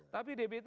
tapi dpt gak begitu